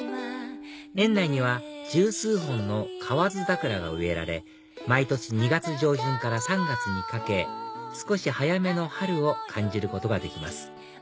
園内には１０数本の河津桜が植えられ毎年２月上旬から３月にかけ少し早めの春を感じることができます